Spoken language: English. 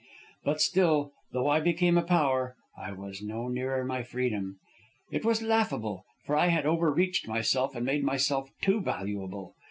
"But still, though I became a power, I was no nearer my freedom. It was laughable, for I had over reached myself and made myself too valuable.